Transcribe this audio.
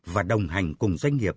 và đồng hành cùng doanh nghiệp